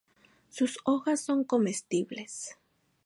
Sus hojas son comestibles.